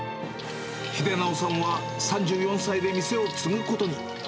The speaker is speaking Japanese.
秀尚さんは３４歳で店を継ぐことに。